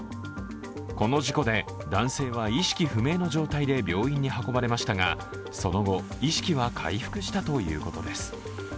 この事故で、男性は意識不明の状態で病院に運ばれましたがその後、意識は回復したということです。